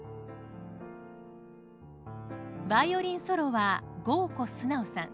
バイオリンソロは郷古廉さん。